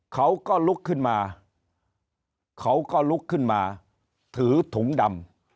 เขาก็ลุกขึ้นมาถือถุงดำ